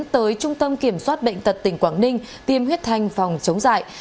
tới trung tâm kiểm soát bệnh tật tỉnh quảng ninh tiêm huyết thanh phòng chống dạy